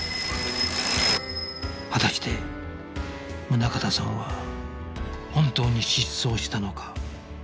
果たして宗形さんは本当に失踪したのか